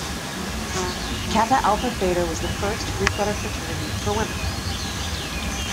Kappa Alpha Theta was the first Greek-letter fraternity for women.